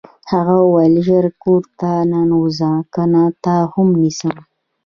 هغه وویل ژر کور ته ننوځه کنه تا هم نیسم